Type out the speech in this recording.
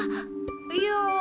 いや。